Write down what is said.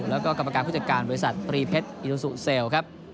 แล้วก็กรรมการผู้จัดการบริษัทตรีเพชรอิลซูเซลล์ครับ